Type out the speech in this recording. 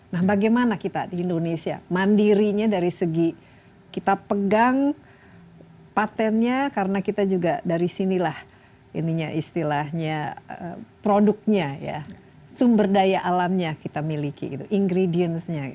nah bagaimana kita di indonesia mandirinya dari segi kita pegang patentnya karena kita juga dari sinilah ininya istilahnya produknya ya sumber daya alamnya kita miliki gitu ingredients nya